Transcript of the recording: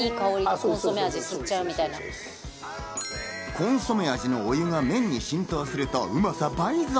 コンソメ味のお湯が麺に浸透すると、うまさ倍増。